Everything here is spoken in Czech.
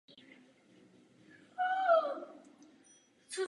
Grafická stránka hry je na vysoké úrovni.